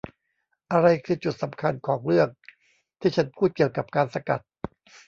อะไรคือจุดสำคัญของเรื่องที่ฉันพูดเกี่ยวกับการสกัด ?